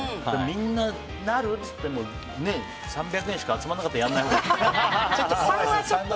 みんな、なるってなっても３００円しか集まらなかったらやらないほうがいい。